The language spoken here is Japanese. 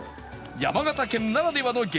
山形県ならではの激